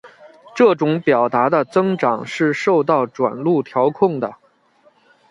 这种表达的增长是受到转录调控的。